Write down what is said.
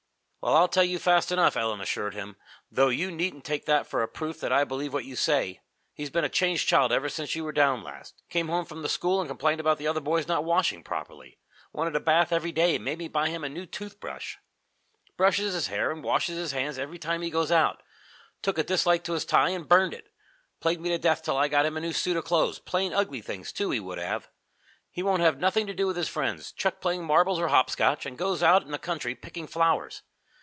"Well, I'll tell you fast enough," Ellen assured him, "though you needn't take that for a proof that I believe what you say. He's been a changed child ever since you were down last. Came home from the school and complained about the other boys not washing properly. Wanted a bath every day, and made me buy him a new toothbrush. Brushes his hair and washes his hands every time he goes out. Took a dislike to his tie and burned it. Plagued me to death till I got him a new suit of clothes plain, ugly things, too, he would have. He won't have nothing to do with his friends, chucked playing marbles or hopscotch, and goes out in the country, picking flowers.